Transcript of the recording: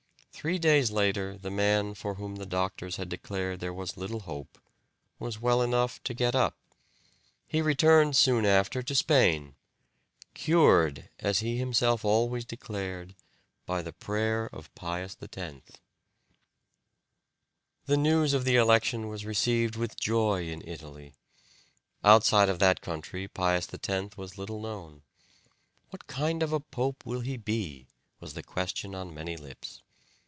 Three days later the man for whom the doctors had declared there was little hope was well enough to get up. He returned soon after to Spain, cured, as he himself always declared, by the prayer of Pius X. The news of the election was received with joy in Italy. Outside of that country Pius X was little known. "What kind of a pope will he be?" was the question on many lips.